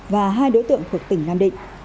và hai đối tượng thuộc tỉnh nam định